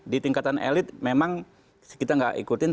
di tingkatan elit memang kita nggak ikutin